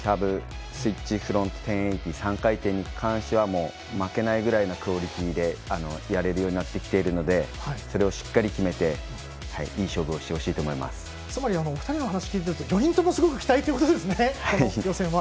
スイッチフロント１０８０３回転に関しては負けないぐらいのクオリティーでやれるようになってきているのでそれをしっかり決めて２人の話を聞いていると４人ともすごく期待ということですね。